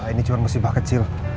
ini cuma mesin bak kecil